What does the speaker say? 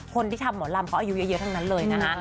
คนที่ทำหมอลำเขาอายุเยอะทั้งนั้นเลยนะคะ